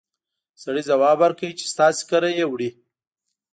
سړي ځواب ورکړ چې ستاسې کره يې وړي!